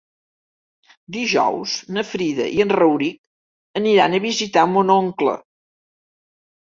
Dijous na Frida i en Rauric aniran a visitar mon oncle.